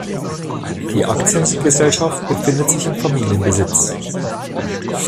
Die Aktiengesellschaft befindet sich in Familienbesitz.